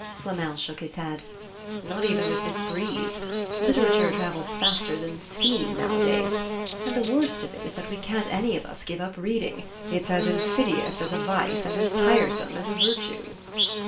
Flamel shook his head. "Not even with this breeze. Literature travels faster than steam nowadays. And the worst of it is that we can't any of us give up reading; it's as insidious as a vice and as tiresome as a virtue."